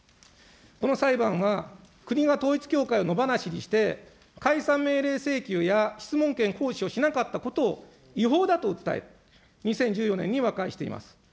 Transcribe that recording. この裁判は、国が統一教会を野放しにして解散命令請求や質問権行使をしなかったことを違法だと訴え、２０１４年に和解しています。